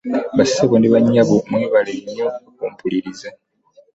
Bassebo ne bannyabo mwebale nnyo okumpuliriza.